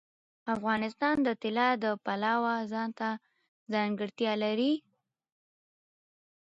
افغانستان د طلا د پلوه ځانته ځانګړتیا لري.